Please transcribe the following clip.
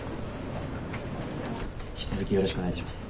引き続きよろしくお願いします。